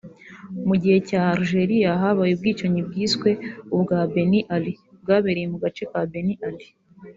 Mu gihugu cya Algeria habaye ubwicanyi bwiswe ubwa Beni-Ali (bwabereye mu gace ka Beni Ali)